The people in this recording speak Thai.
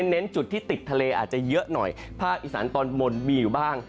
เน้นจุดที่ติดทะเลอาจจะเยอะหน่อยภาคอีสานตอนบนมีอยู่บ้าง